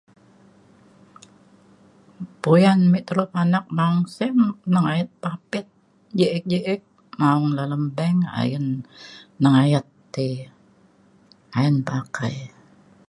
puyan me telu panak neng sek nengayet papet ji’ek ji’ek maong dalem bank ayen nengayet ti ayen pakai